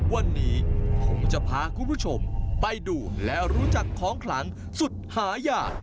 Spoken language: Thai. วันนี้ผมจะพาคุณผู้ชมไปดูและรู้จักของขลังสุดหายาก